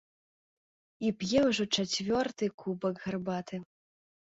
І п'е ўжо чацвёртую кубак гарбаты.